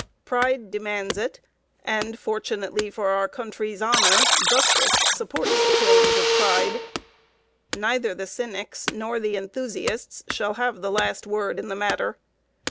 Pride demands it, and, fortunately for our country's honor, justice supports the claims of pride. Neither the cynics nor the enthusiasts shall have the last word in the matter.